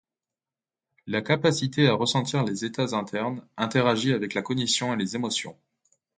La capacité à ressentir les états internes interagit avec la cognition et les émotions.